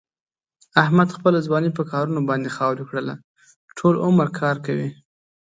احمد خپله ځواني په کارونو باندې خاورې کړله. ټول عمر کار کوي.